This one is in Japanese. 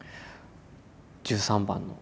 １３番の。